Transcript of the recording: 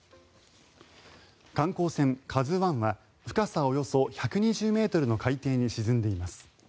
観光船「ＫＡＺＵ１」は深さおよそ１２０ｍの海底に沈んでいます。